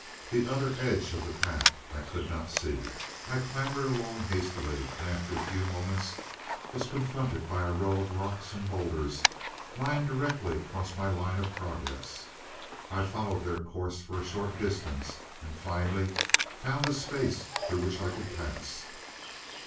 The other edge of the path I could not see. I clambered along hastily, and after a few moments was confronted by a row of rocks and bowlders lying directly across my line of progress. I followed their course for a short distance, and finally found a space through which I could pass.